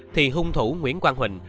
thì hung thủ nguyễn quang huỳnh